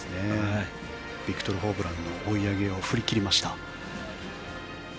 ビクトル・ホブランの追い上げを振り切りました。